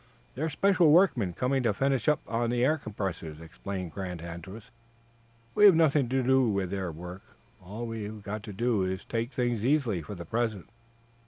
"They're special workmen, coming to finish up on the air compressors," explained Grant Andrews. "We have nothing to do with their work. All we've got to do is to take things easily for the present."